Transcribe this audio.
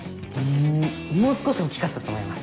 もう少し大きかったと思います。